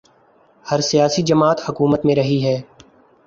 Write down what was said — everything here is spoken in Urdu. ہر سیاسی جماعت حکومت میں رہی ہے۔